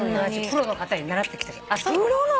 プロの方に習ってきたの？